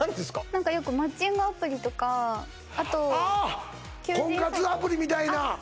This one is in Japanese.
何かよくマッチングアプリとかあと求人ああ婚活アプリみたいなあっ